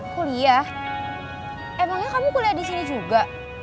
kuliah emangnya kamu kuliah disini juga